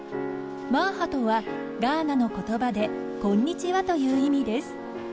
マーハとはガーナの言葉で「こんにちは」という意味です。